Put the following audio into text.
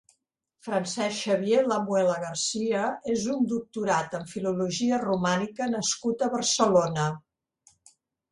Francesc Xavier Lamuela García és un doctorat en filologia romànica nascut a Barcelona.